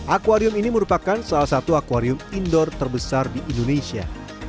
akwarium ini merupakan salah satu akwarium indoor terbesar di indonesia